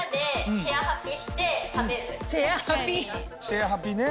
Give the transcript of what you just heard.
シェアハピね。